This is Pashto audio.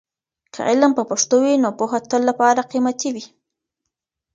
که علم په پښتو وي، نو پوهه تل لپاره قیمتي وي.